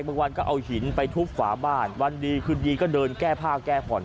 บางวันก็เอาหินไปทุบฝาบ้านวันดีคืนดีก็เดินแก้ผ้าแก้ผ่อน